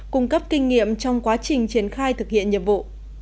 cung cấp kinh nghiệm trong quá trình triển khai thực hiện nhiệm vụ